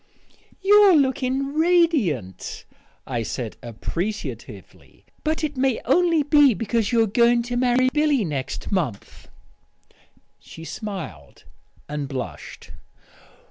"You're looking radiant," I said appreciatively; "but it may only be because you're going to marry Billy next month." She smiled and blushed.